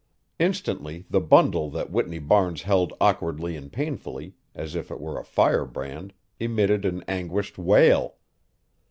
Instantly the bundle that Whitney Barnes held awkwardly and painfully, as if it were a firebrand, emitted an anguished wail.